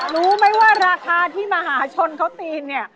รู้ไหมว่าราคาที่มหาชนเขาตีนเนี่ย